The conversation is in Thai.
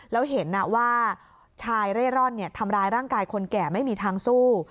แล้วเห็นว่าชายเร่ร่อนทำร้ายร่างกายคนแก่ไม่มีทางสู้